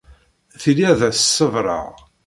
Tili ad as-ṣebreɣ.